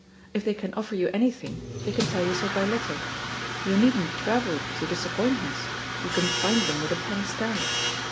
If they can offer you anything, they can tell you so by letter — ^you needn't travel to disappointments, you can find them with a penny stamp.